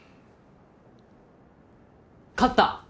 勝った！